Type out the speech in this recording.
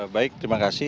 baik terima kasih